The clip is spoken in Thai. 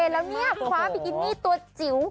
แล้วนี่ฮะขว้าบิกินิตัวจิ๋ว